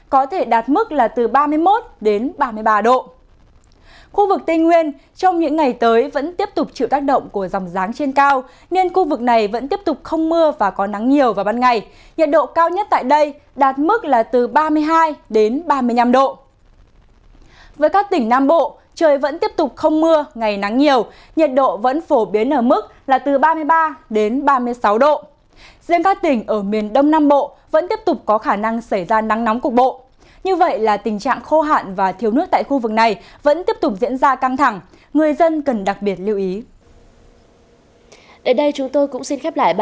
cảm ơn các bạn đã theo dõi